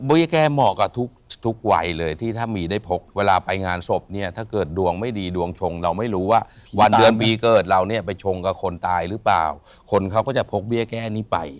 แก้เหมาะกับทุกวัยเลยที่ถ้ามีได้พกเวลาไปงานศพเนี่ยถ้าเกิดดวงไม่ดีดวงชงเราไม่รู้ว่าวันเดือนปีเกิดเราเนี่ยไปชงกับคนตายหรือเปล่าคนเขาก็จะพกเบี้ยแก้นี้ไป